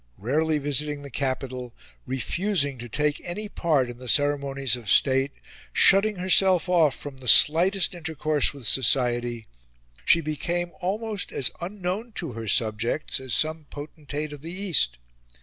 Rarely visiting the capital, refusing to take any part in the ceremonies of state, shutting herself off from the slightest intercourse with society, she became almost as unknown to her subjects as some potentate of the East.